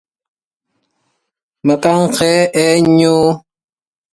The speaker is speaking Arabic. يا بروحي فارسا علقته